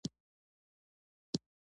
دا قصدي کار دی.